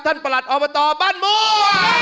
ท่านประหลัดอบตบ้านม่วง